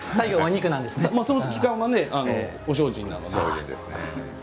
その期間はご精進なので。